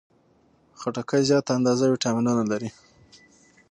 خټکی زیاته اندازه ویټامینونه لري.